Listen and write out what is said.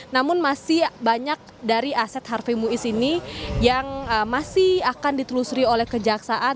namun masih banyak dari aset harvey muiz ini yang masih akan ditelusuri oleh kejaksaan